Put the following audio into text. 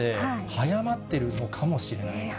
早まってるのかもしれないですね。